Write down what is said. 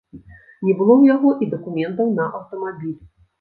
Не было ў яго і дакументаў на аўтамабіль.